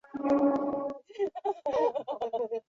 莱斯坎。